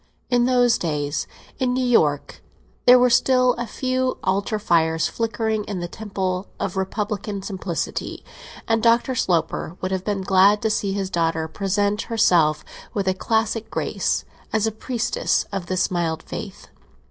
In those days in New York there were still a few altar fires flickering in the temple of Republican simplicity, and Dr. Sloper would have been glad to see his daughter present herself, with a classic grace, as a priestess of this mild faith.